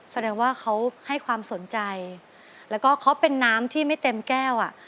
แสดงว่าเขาให้ความสนใจแล้วก็เขาเป็นน้ำที่ไม่เต็มแก้วอ่ะ